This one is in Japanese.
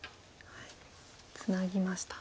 ツナぎました。